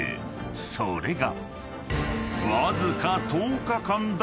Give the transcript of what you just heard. ［それが］